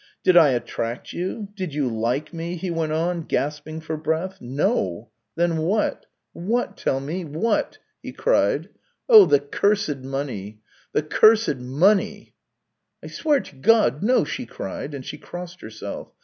" Did I attract you ? Did you like me ?" he went on, gasping for breath. " No. Then what ? 262 THE TALES OF TCHEHOV What ? Tell me what ?" he cried. " Oh, the cursed money ! The cursed money !"" I swear to God, no !" she cried, and she crossed herself.